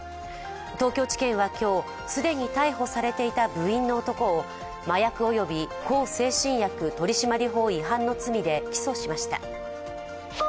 東京地検は今日既に逮捕されていた部員の男を麻薬および向精神薬取締法違反の罪で起訴しました。